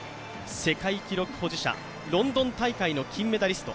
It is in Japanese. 世界記録保持者、ロンドン大会の金メダリスト。